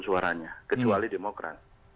suaranya kecuali demokrat